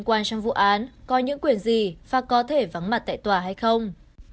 quan trong vụ án có những quyền gì và có thể vắng mặt tại tòa hay không